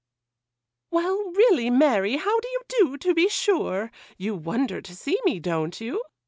'Well, really, Mary, how do you do, to be sure? You wonder to see me, don't you?